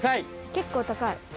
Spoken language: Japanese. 結構高い。